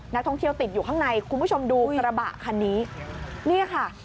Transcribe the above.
นักท่องเที่ยวติดอยู่ข้างในคุณผู้ชมดูกระบะคันนี้เนี่ยค่ะ